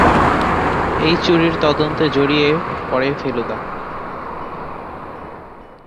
এই চুরির তদন্তে জড়িয়ে পড়ে ফেলুদা।